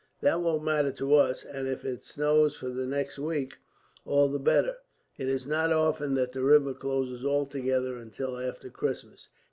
That won't matter to us, and if it snows for the next week, all the better. It is not often that the river closes altogether until after Christmas.